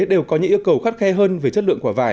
đều có những yêu cầu khắt khe hơn về chất lượng quả vải